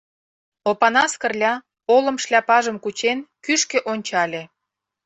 Опанас Кырля, олым шляпажым кучен, кӱшкӧ ончале.